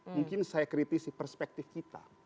mungkin saya kritisi perspektif kita